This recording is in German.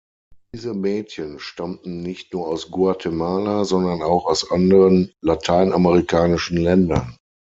Diese Mädchen stammten nicht nur aus Guatemala, sondern auch aus anderen lateinamerikanischen Ländern.